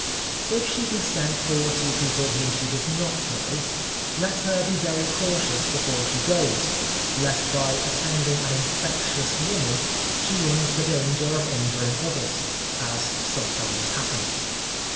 If she be sent for to people whom she does not know, let her be very cautious before she goes, lest by attending an infectious woman, she runs the danger of injuring others, as sometimes happens.